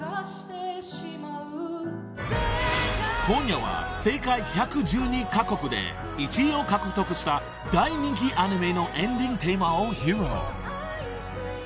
［今夜は世界１１２カ国で１位を獲得した大人気アニメのエンディングテーマを披露］